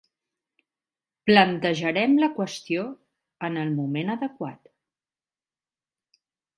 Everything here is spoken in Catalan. Plantejarem la qüestió en el moment adequat.